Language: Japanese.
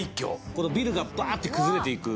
このビルがバーッと崩れていく。